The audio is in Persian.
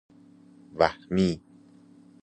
وهمی